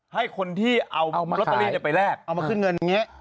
ให้คนที่เอาลอตเตอรี่ไปแลกเอามาขึ้นเงินอย่างนี้